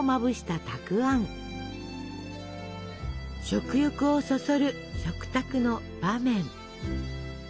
食欲をそそる食卓の場面。